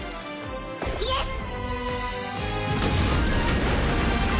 イエス！